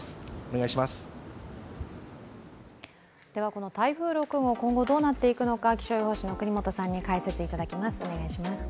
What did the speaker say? この台風６号、今後どうなっていくのか、気象予報士の國本さんに解説いただきます。